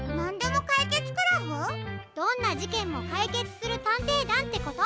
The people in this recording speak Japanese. どんなじけんもかいけつするたんていだんってこと！